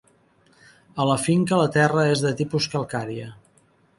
A la finca la terra és de tipus calcària.